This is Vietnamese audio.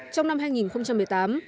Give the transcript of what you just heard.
trong năm hai nghìn một mươi tám